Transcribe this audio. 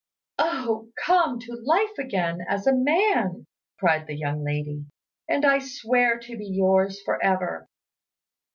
"Oh! come to life again as a man," cried the young lady, "and I swear to be yours for ever."